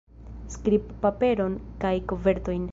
Skribpaperon kaj kovertojn.